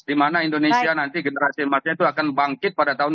dimana indonesia nanti generasi emasnya itu akan bangkit pada tahun dua ribu empat puluh lima